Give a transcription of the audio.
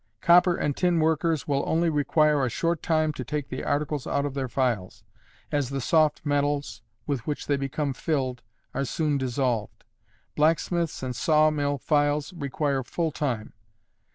Copper and tin workers will only require a short time to take the articles out of their files, as the soft metals with which they become filled are soon dissolved. Blacksmiths' and saw mill files require full time.